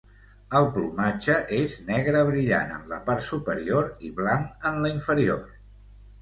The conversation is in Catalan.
El plomatge és negre brillant en la part superior i blanc en la inferior.